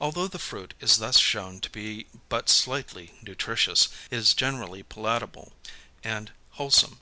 Although the fruit is thus shown to be but slightly nutritious, it is generally palatable and wholesome.